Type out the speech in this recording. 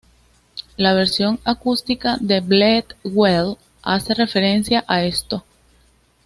La versión acústica de Bleed Well hace referencia a esto.